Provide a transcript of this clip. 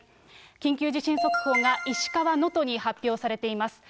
緊急地震速報が石川・能登に発表されています。